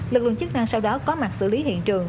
lực lượng chức năng sau đó có mặt xử lý hiện trường